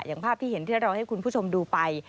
อย่างภาพที่เห็นที่เราให้คุณผู้ชมดูไป